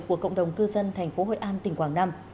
của cộng đồng cư dân thành phố hội an tỉnh quảng nam